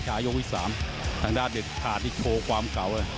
ยกที่๓ทางด้านเด็ดขาดนี่โชว์ความเก่าเลย